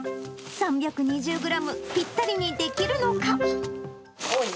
３２０グラム、ぴったりにで多いね。